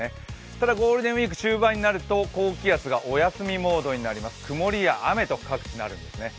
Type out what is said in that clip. ただ、ゴールデンウイーク終盤になると、高気圧がお休みモードになり、曇りや雨と各地なるんですね。